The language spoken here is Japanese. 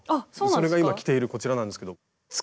それが今着ているこちらなんですけど。